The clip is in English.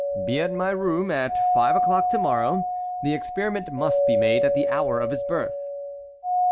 "Be at my room at five o'clock to morrow. The experiment must be made at the hour of his birth."